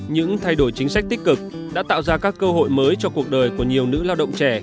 những thay đổi chính sách tích cực đã tạo ra các cơ hội mới cho cuộc đời của nhiều nữ lao động trẻ